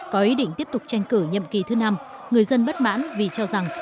có ý định tiếp tục tranh cử nhậm kỳ thứ năm người dân bất mãn vì cho rằng